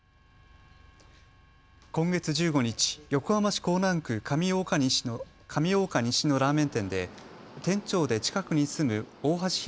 今月１５日、横浜市港南区上大岡西のラーメン店で店長で近くに住む大橋弘